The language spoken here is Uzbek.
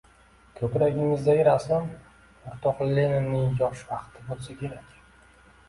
— Ko‘kragingizdagi rasm, o‘rtoq Leninni yosh vaqti bo‘lsa kerak?